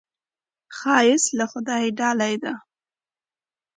ښایست له خدایه ډالۍ ده